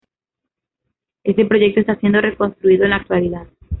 Este proyecto está siendo reconstruido en la actualidad.